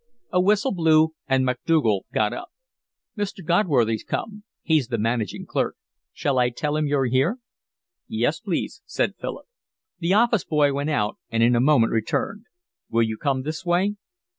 A whistle blew, and Macdougal got up. "Mr. Goodworthy's come. He's the managing clerk. Shall I tell him you're here?" "Yes, please," said Philip. The office boy went out and in a moment returned. "Will you come this way?"